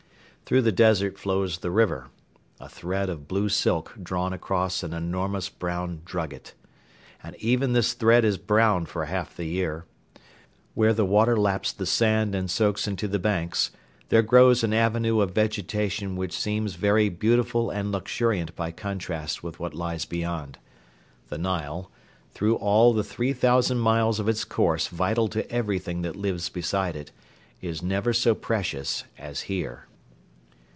Through the desert flows the river a thread of blue silk drawn across an enormous brown drugget; and even this thread is brown for half the year. Where the water laps the sand and soaks into the banks there grows an avenue of vegetation which seems very beautiful and luxuriant by contrast with what lies beyond. The Nile, through all the three thousand miles of its course vital to everything that lives beside it, is never so precious as here.